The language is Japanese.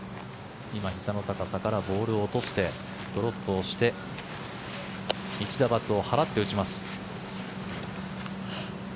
今、ひざの高さからボールを落としてドロップして１打罰を払って打ちます。